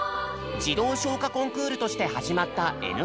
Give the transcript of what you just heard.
児童唱歌コンクールとして始まった「Ｎコン」。